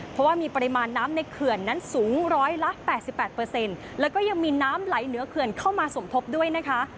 เพราะว่ามีปริมาณน้ำในเขื่อนนั้นสูงร้อยละ๘๘แล้วก็ยังมีน้ำไหลเหนือเขื่อนเข้ามาสมทบด้วยนะคะ